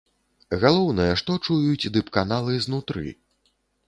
Галоўнае, што чуюць дыпканалы знутры.